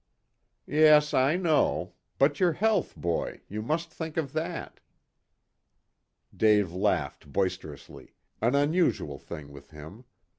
"Yes, I know. But your health, boy, you must think of that." Dave laughed boisterously, an unusual thing with him.